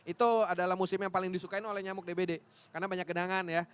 itu adalah musim yang paling disukain oleh nyamuk dbd karena banyak genangan ya